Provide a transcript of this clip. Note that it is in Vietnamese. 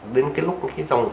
đến cái lúc cái dòng